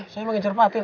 saya mau ngejar patin